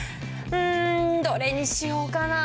うんどれにしようかな。